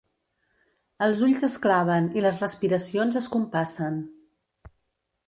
Els ulls es claven i les respiracions es compassen.